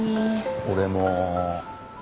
俺も。